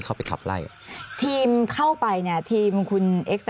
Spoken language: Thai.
สามารถรู้ได้เลยเหรอคะ